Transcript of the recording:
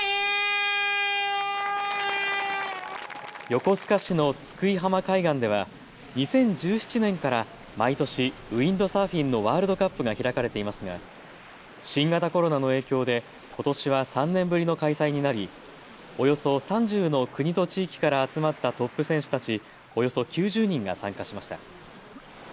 横須賀市の津久井浜海岸では２０１７年から毎年、ウインドサーフィンのワールドカップが開かれていますが新型コロナの影響でことしは３年ぶりの開催になりおよそ３０の国と地域から集まったトップ選手たちおよそ９０人が参加しました。